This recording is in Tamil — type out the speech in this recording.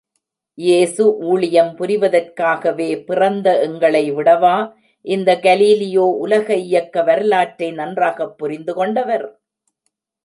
இயேசு ஊழியம் புரிவதற்காகவே பிறந்த எங்களைவிடவா இந்த கலீலியே உலக இயக்க வரலாற்றை நன்றாகப் புரிந்து கொண்டவர்?